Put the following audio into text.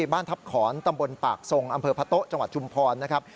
บ้านทัพขอนตำบลปากทรงอำเภอพะโต๊ะจังหวัดชุมพรนะครับ